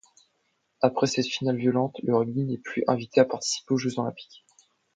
Après cette finale violente, le rugby n'est plus invité à participer aux Jeux olympiques.